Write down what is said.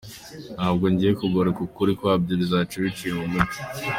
Ntabwo ngiye kugoreka ukuri kwabyo, bizaba biciye mu mucyo.